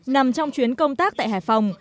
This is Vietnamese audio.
nằm trong chuyến công tác tại hải phòng